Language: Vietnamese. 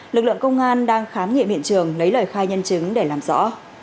lực lượng công an đang khám nghiệm hiện trường lấy lời khai nhân chứng để làm rõ